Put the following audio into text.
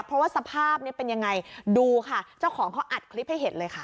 เพราะว่าสภาพนี้เป็นยังไงดูค่ะเจ้าของเขาอัดคลิปให้เห็นเลยค่ะ